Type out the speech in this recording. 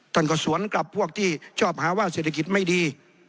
ท่านก็สวนกลับพวกที่ชอบหาว่าเศรษฐกิจไม่ดี